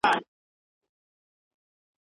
چېرته چې خوږه او پخوانۍ سندره واورمه